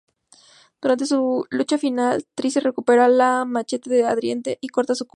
Durante su lucha final, Tricia recupera el machete de Adrienne y corta su cuello.